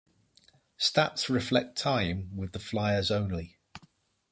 Stats reflect time with the Flyers only.